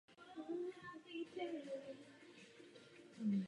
Podobný princip využíval William Fox Talbot u své metody slaného papíru.